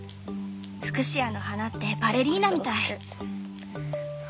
フクシアの花ってバレリーナみたい。